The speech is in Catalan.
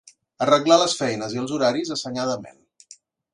Arreglar les feines i els horaris assenyadament.